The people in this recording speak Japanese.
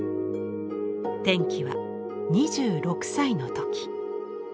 転機は２６歳の時。